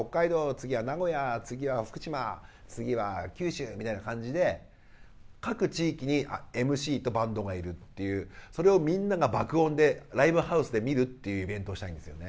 次は名古屋次は福島次は九州みたいな感じで各地域にＭＣとバンドがいるっていうそれをみんなが爆音でライブハウスで見るっていうイベントをしたいんですよね。